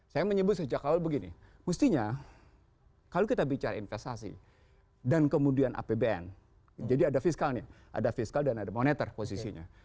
saya menyebut sejak awal begini mestinya kalau kita bicara investasi dan kemudian apbn jadi ada fiskalnya ada fiskal dan ada moneter posisinya